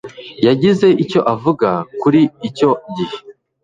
yagize icyo avuga kuri icyo gihe